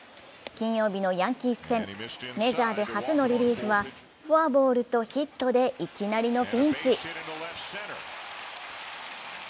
金曜日のヤンキース戦、メジャーで初のリリーフはフォアボールとヒットでいきなりのピンチ。